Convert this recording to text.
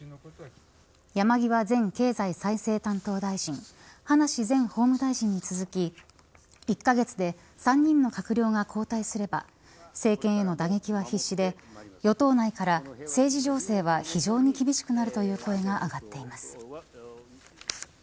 山際前経済再生担当大臣葉梨前法務大臣に続き１カ月で３人の閣僚が交代すれば政権への打撃は必至で与党内から政治情勢は非常に厳しくなるという声が上がっています。